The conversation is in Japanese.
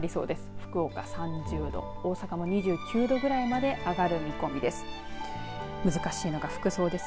福岡３０度大阪も２９度ぐらいまで上がる見込みです。